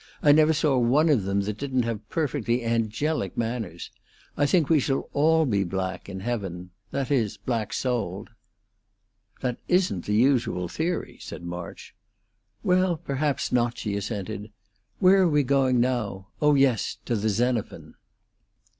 I never saw one of them that didn't have perfectly angelic manners. I think we shall all be black in heaven that is, black souled." "That isn't the usual theory," said March. "Well, perhaps not," she assented. "Where are we going now? Oh yes, to the Xenophon!"